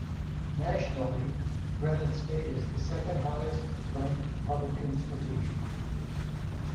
Nationally, Granite State is the second-highest ranked public institution.